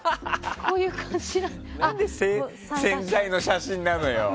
何で宣材の写真なのよ！